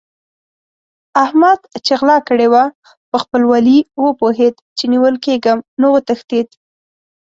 احمد چې غلا کړې وه؛ په خپل ولي پوهېد چې نيول کېږم نو وتښتېد.